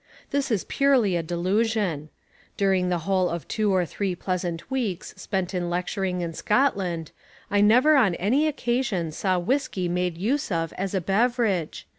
This is purely a delusion. During the whole of two or three pleasant weeks spent in lecturing in Scotland, I never on any occasion saw whiskey made use of as a beverage.